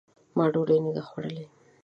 ما ډوډۍ نه ده خوړلې !